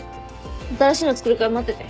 新しいの作るから待ってて。